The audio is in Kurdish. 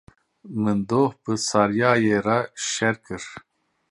Min doh bi Saryayê re şer kir.